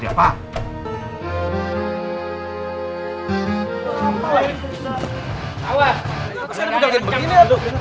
kenapa saya dipegangin begini